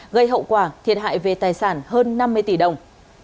gây hậu quả thiệt hại về tài sản hơn năm mươi tỷ đồng